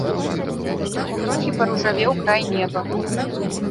Трохі паружавеў край неба.